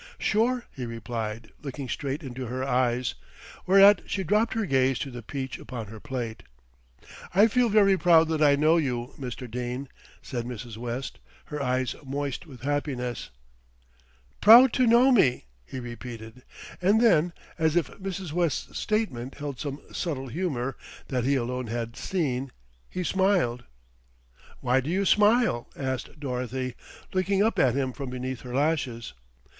"Sure," he replied, looking straight into her eyes, whereat she dropped her gaze to the peach upon her plate. "I feel very proud that I know you, Mr. Dene," said Mrs. West, her eyes moist with happiness. "Proud to know me!" he repeated, and then as if Mrs. West's statement held some subtle humour that he alone had seen, he smiled. "Why do you smile?" asked Dorothy, looking up at him from beneath her lashes.